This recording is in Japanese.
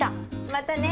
またね。